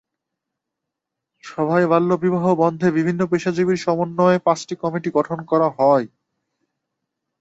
সভায় বাল্যবিবাহ বন্ধে বিভিন্ন পেশাজীবীর সমন্বয়ে পাঁচটি কমিটি গঠন করা হয়।